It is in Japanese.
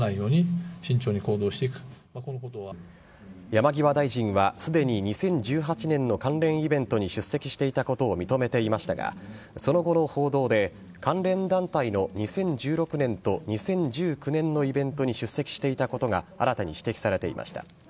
山際大臣はすでに２０１８年の関連イベントに出席していたことを認めていましたがその後の報道で関連団体の２０１６年と２０１９年のイベントに出席していたことが新たに指摘されていました。